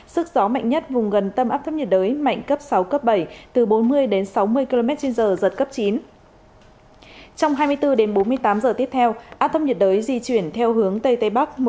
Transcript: sức gió mạnh nhất vùng gần tâm bão mạnh cấp tám từ sáu mươi đến bảy mươi năm km trên giờ giật cấp một mươi